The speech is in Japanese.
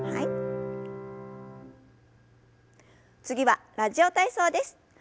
次は「ラジオ体操」です。